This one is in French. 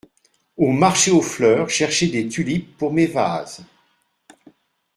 Au marché aux fleurs… chercher des tulipes pour mes vases.